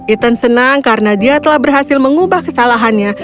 ethan senang karena dia telah berhasil mengubah kesalahannya